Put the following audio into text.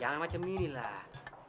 is jangan macem inilah